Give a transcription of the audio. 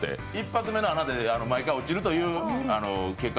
１発目の穴で必ず落ちるという。